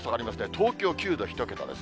東京９度、１桁です。